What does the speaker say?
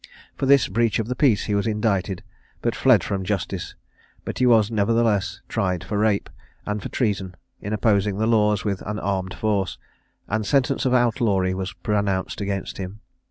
For this breach of the peace he was indicted, but fled from justice; but he was, nevertheless, tried for a rape, and for treason, in opposing the laws with an armed force; and sentence of outlawry was pronounced against him.